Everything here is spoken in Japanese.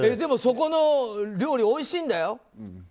そこの料理おいしいんだよ。